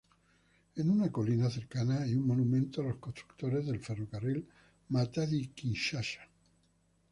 En una colina cercana hay un monumento a los constructores del ferrocarril Matadi-Kinshasa.